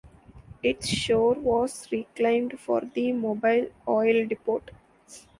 Its shore was reclaimed for the Mobil oil depot.